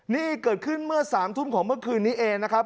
นี่เกิดขึ้นเมื่อ๓ทุ่มของเมื่อคืนนี้เองนะครับ